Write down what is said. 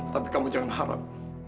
tapi kamu jangan harap